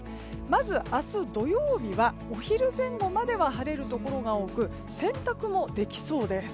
まず、明日土曜日はお昼前後までは晴れるところが多く洗濯もできそうです。